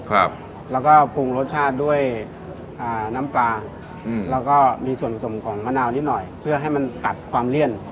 ครับแล้วก็ปรุงรสชาติด้วยอ่าน้ำปลาอืมแล้วก็มีส่วนผสมของมะนาวนิดหน่อยเพื่อให้มันตัดความเลี่ยน